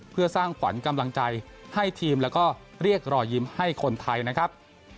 เพื่อสร้างขวัญกำลังใจให้ทีมแล้วก็เรียกรอยยิ้มให้คนไทยนะครับ